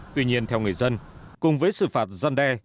tuy nhiên theo người dân cùng với xử phạt giăn đe